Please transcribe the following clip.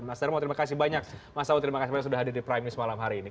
mas darmo terima kasih banyak mas sawo terima kasih banyak sudah hadir di prime news malam hari ini